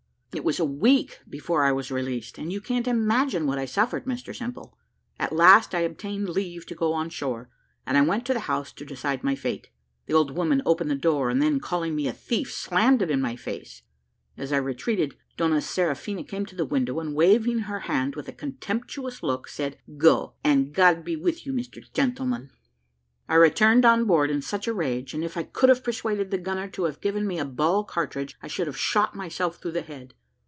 It was a week before I was released; and you can't imagine what I suffered, Mr Simple. At last I obtained leave to go on shore, and I went to the house to decide my fate. The old woman opened the door, and then, calling me a thief, slammed it in my face; as I retreated, Donna Seraphina came to the window, and, waving her hand with a contemptuous look, said, `Go, and God be with you, Mr Gentleman.' I returned on board in such a rage; and if I could have persuaded the gunner to have given me a ball cartridge I should have shot myself through the head.